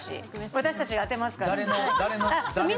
私たちが当てますから。